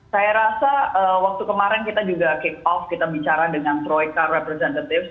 saya rasa waktu kemarin kita juga kick off kita bicara dengan troika representatives